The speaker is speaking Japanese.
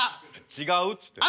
違うっつってんの。